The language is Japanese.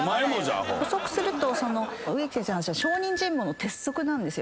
補足すると植木先生の話は証人尋問の鉄則なんですよ。